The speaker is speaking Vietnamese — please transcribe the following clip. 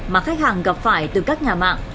mà khách hàng gặp phải từ các nhà mạng